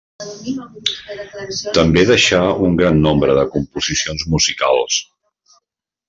També deixà un gran nombre de composicions musicals.